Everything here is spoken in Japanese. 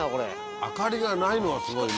明かりがないのがすごいね。